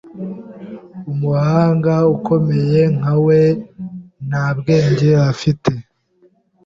Umuhanga ukomeye nka we, nta bwenge afite.